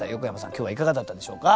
今日はいかがだったでしょうか？